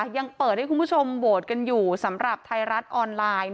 ยังเปิดให้คุณผู้ชมโหวตกันอยู่สำหรับไทยรัฐออนไลน์